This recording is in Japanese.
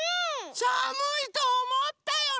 さむいとおもったよね！